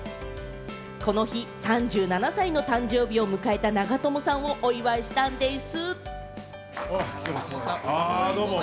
この日３７歳の誕生日を迎えた長友さんをお祝いしたんでぃす。